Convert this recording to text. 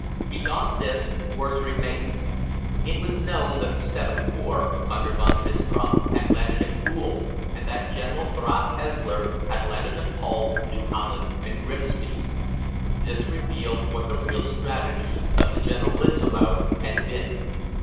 Beyond this, worse remained. It was known that the VIIth Corps, under Von Bristram, had landed at Goole, and that General Graf Haeseler had landed at Hull, New Holland, and Grimsby. This revealed what the real strategy of the Generalissimo had been.